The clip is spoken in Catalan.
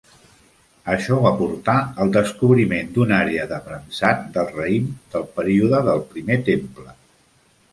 Això va portar al descobriment d'una àrea de premsat del raïm del període del Primer Temple.